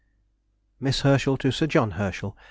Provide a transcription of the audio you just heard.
MISS HERSCHEL TO SIR JOHN HERSCHEL.